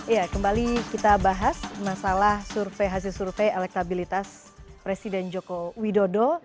ya kembali kita bahas masalah survei hasil survei elektabilitas presiden joko widodo